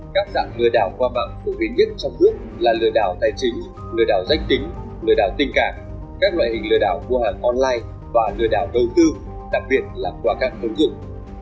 các dạng lừa đảo qua mạng phổ biến nhất trong nước là lừa đảo tài chính lừa đảo dách tính lừa đảo tình cảm các loại hình lừa đảo mua hàng online và lừa đảo đầu tư đặc biệt là qua các phương dựng